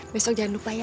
besok jangan lupa ya